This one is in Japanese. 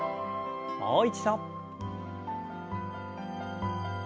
もう一度。